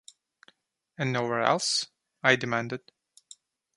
‘And nowhere else?’ I demanded.